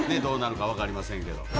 どうなるか分かりませんけど。